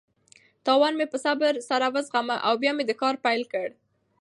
تاوان مې په صبر سره وزغمه او بیا مې کار پیل کړ.